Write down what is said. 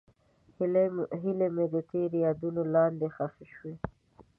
هیلې مې د تېر یادونو لاندې ښخې شوې.